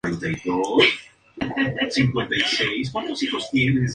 Son los antagonistas de la Liga de la Justicia.